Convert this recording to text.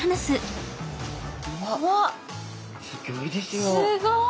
すごい！